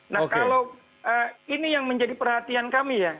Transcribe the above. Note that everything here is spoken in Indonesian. nah kalau ini yang menjadi perhatian kami ya